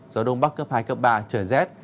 gió đông bắc cấp hai cấp ba trời rét